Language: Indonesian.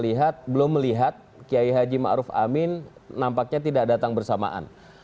kita belum melihat kiai haji ma'ruf amin nampaknya tidak datang bersamaan